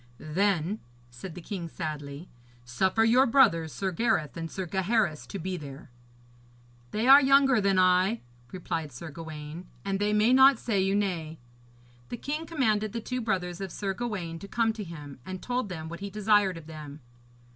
'Then,' said the king sadly, 'suffer your brothers, Sir Gareth and Sir Gaheris, to be there.' 'They are younger than I,' replied Sir Gawaine, 'and they may not say you nay.' The king commanded the two brothers of Sir Gawaine to come to him, and told them what he desired of them.